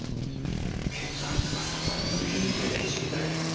血圧が下がるその秘密を是非知りたいですね。